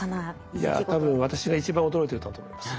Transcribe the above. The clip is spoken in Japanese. いや多分私が一番驚いてたと思います。